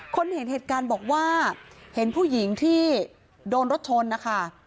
คนเห็นเหตุการณ์บอกว่าเห็นผู้หญิงที่โดนรถชนนะคะ